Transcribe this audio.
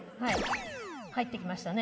入ってきましたね。